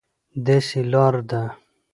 داسې لار ده،